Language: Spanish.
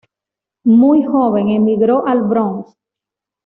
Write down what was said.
Muy joven, emigró al Bronx.